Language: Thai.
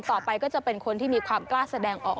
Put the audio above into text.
ต่อไปก็จะเป็นคนที่มีความกล้าแสดงออก